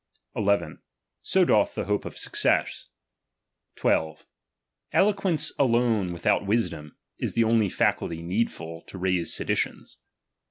II. So doth the hope of success. ^2. Elo()ucnce alone without wisdom, is the only faculty need ful to raise seditions.